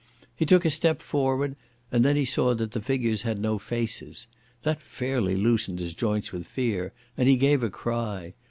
He took a step forward, and then he saw that the figures had no faces. That fairly loosened his joints with fear, and he gave a cry.